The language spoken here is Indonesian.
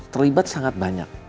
terlibat sangat banyak